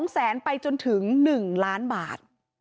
๒แสนไปจนถึง๑ล้านบาท